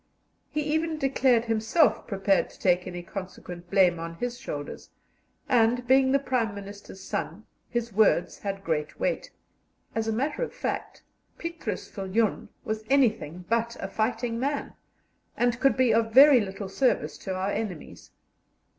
He even declared himself prepared to take any consequent blame on his shoulders, and, being the Prime Minister's son, his words had great weight. As a matter of fact, Petrus Viljoen was anything but a fighting man, and could be of very little service to our enemies.